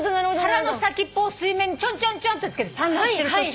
腹の先っぽを水面にちょんちょんってつけて産卵してる途中。